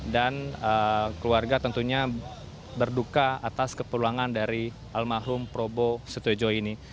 dan keluarga tentunya berduka atas keperluangan dari almarhum probo sutejo ini